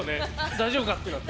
「大丈夫か？」ってなって。